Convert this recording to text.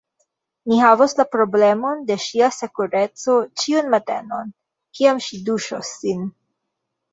Ni havos la problemon de ŝia sekureco ĉiun matenon, kiam ŝi duŝos sin.